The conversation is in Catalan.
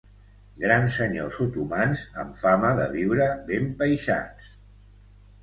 Grans senyors otomans amb fama de viure ben peixats.